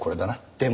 でも。